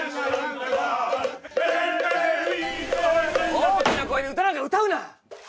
「大きな声で歌なんか歌うな！」